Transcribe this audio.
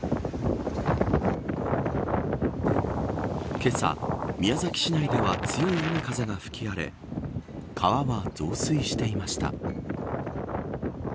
けさ、宮崎市内では強い風が吹き荒れ川は増水していました。